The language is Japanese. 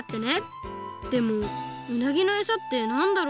でもうなぎのエサってなんだろう？